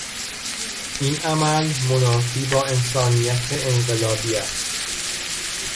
این عمل منافی با انسانیت انقلابی است.